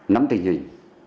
nắm tình hình